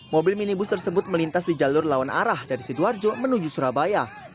mobil minibus tersebut melintas di jalur lawan arah dari sidoarjo menuju surabaya